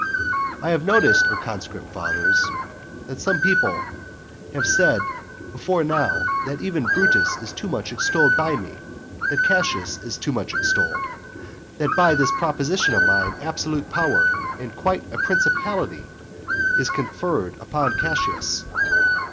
I have noticed, O conscript fathers, that some people have said before now, that even Brutus is too much extolled by me, that Cassius is too much extolled; and that by this proposition of mine absolute power and quite a principality is conferred upon Cassius.